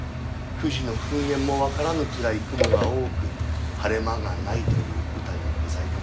富士の噴煙も分からぬくらい雲が多く晴れ間がないという歌にございます。